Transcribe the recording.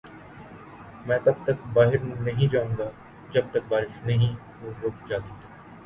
میں تب تک باہر نہیں جائو گا جب تک بارش نہیں رک جاتی۔